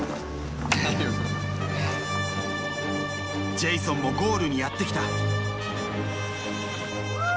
ジェイソンもゴールにやって来た。